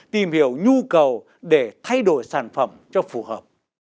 tìm hiểu nhu cầu để thay đổi sản phẩm cho phù hợp